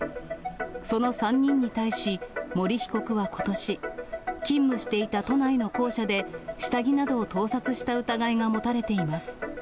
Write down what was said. その３人に対し、森被告はことし、勤務していた都内の校舎で下着などを盗撮した疑いが持たれています。